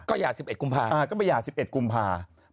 ก็หย่า๑๑กุมภาคม